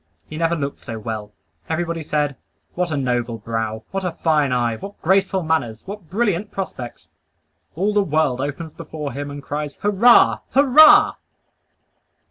He never looked so well. Everybody said, "What a noble brow! What a fine eye! What graceful manners! What brilliant prospects!" All the world opens before him and cries, "Hurrah! Hurrah!"